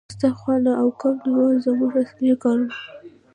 پوسته خونه او کب نیول زموږ اصلي کارونه وو